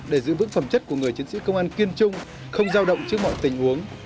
để giữ vững phẩm chất của người chiến sĩ công an kiên trung không giao động trước mọi tình huống